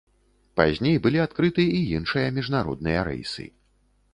Пазней былі адкрыты і іншыя міжнародныя рэйсы.